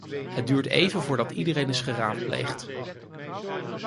Het duurt even voordat iedereen is geraadpleegd.